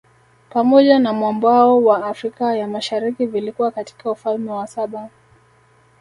Pamoja na mwambao wa Afrika ya Mashariki vilikuwa katika Ufalme wa saba